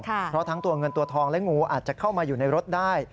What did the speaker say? เพราะทั้งตัวเงินตัวทองและงูอาจจะเข้ามาอยู่ในรถได้